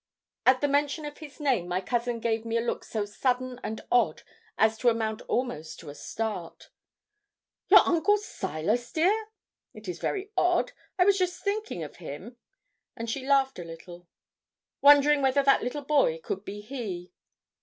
At mention of his name, my cousin gave me a look so sudden and odd as to amount almost to a start. 'Your uncle Silas, dear? It is very odd, I was just thinking of him;' and she laughed a little. 'Wondering whether that little boy could be he.'